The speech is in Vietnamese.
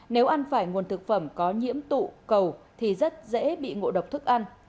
nếu ăn phải nguồn thực phẩm có nhiễm tụ cầu thì rất dễ bị ngộ độc thức ăn